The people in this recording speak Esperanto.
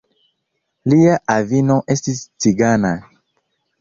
Lia avino estis cigana.